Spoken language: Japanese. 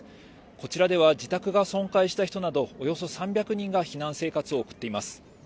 こちらでは自宅が損壊した人などおよそ３００人が避難生活を送っています。